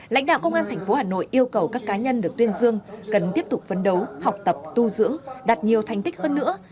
lãnh đạo công an tp hà nội yêu cầu các cá nhân được tuyên dương cần tiếp tục phấn đấu học tập tu dưỡng đạt nhiều thành tích hơn nữa